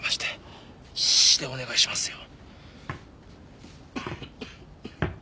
シーッでお願いしますよ。